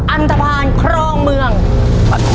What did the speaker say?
อันตรภัณฑ์ของเรา